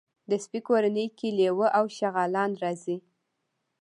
د سپي کورنۍ کې لېوه او شغالان راځي.